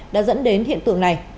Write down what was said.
đã dẫn đến hiện tượng này